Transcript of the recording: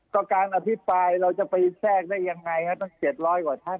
ก็การอภิปรายเราจะไปแทรกได้ยังไงฮะตั้ง๗๐๐กว่าท่าน